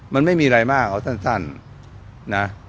มันไม่มีอะไรมากเอาสั้นนะ